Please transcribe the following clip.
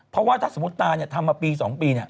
เพราะว่าถ้าสมมุติตาเนี่ยทำมาปี๒ปีเนี่ย